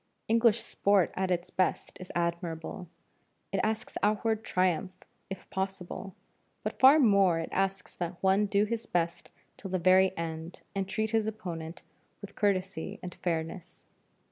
English sport at its best is admirable; it asks outward triumph if possible, but far more it asks that one do his best till the very end and treat his opponent with courtesy and fairness.